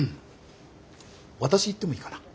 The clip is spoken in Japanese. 私いってもいいかな。